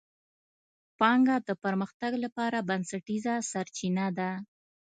پانګه د پرمختګ لپاره بنسټیزه سرچینه ده.